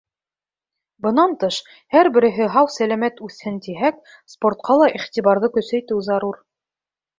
Бынан тыш, һәр береһе һау-сәләмәт үҫһен тиһәк, спортҡа ла иғтибарҙы көсәйтеү зарур.